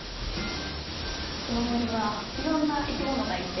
この森はいろんな生き物がいて。